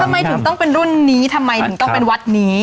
ทำไมถึงต้องเป็นรุ่นนี้ทำไมถึงต้องเป็นวัดนี้